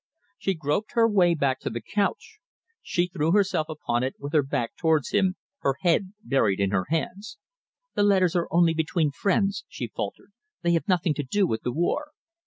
She groped her way back to the couch. She threw herself upon it with her back towards him, her head buried in her hands. "The letters are only between friends," she faltered. "They have nothing to do with the war."